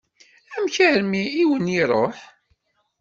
Amek armi i wen-iṛuḥ?